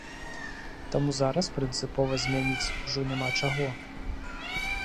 Таму зараз прынцыпова змяніць ужо няма чаго.